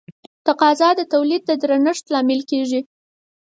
تقاضا د تولید د ډېرښت لامل کیږي.